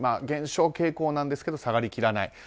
減少傾向なんですけど下がりきらない。